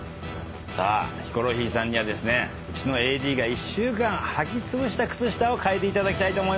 さあヒコロヒーさんにはうちのＡＤが１週間はきつぶした靴下を嗅いでいただきたいと思います。